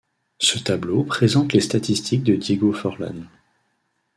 Ce tableau présente les statistiques de Diego Forlán.